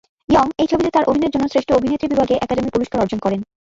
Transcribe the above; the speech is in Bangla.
ইয়ং এই ছবিতে তার অভিনয়ের জন্য শ্রেষ্ঠ অভিনেত্রী বিভাগে একাডেমি পুরস্কার অর্জন করেন।